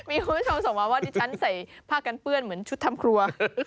มีคุณผู้ชมส่งมาว่าดิฉันใส่ผ้ากันเปื้อนเหมือนชุดทำครัว